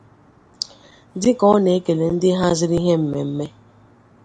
Dịka ọ na-ekele ndị haziri ihe mmemme